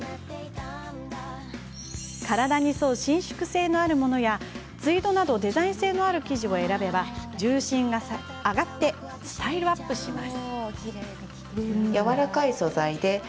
体に沿う伸縮性のあるものやツイードなどデザイン性のある生地を選べば重心が上がってスタイルアップします。